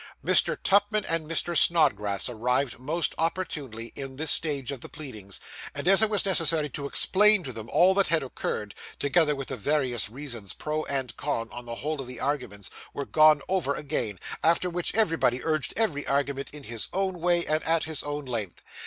Mr. Tupman and Mr. Snodgrass arrived, most opportunely, in this stage of the pleadings, and as it was necessary to explain to them all that had occurred, together with the various reasons pro and con, the whole of the arguments were gone over again, after which everybody urged every argument in his own way, and at his own length.